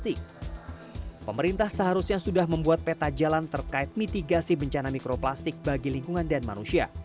dan pemerintah seharusnya sudah membuat peta jalan terkait mitigasi bencana mikroplastik bagi lingkungan dan manusia